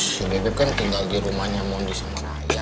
si bebek kan tinggal di rumahnya mondi sama raya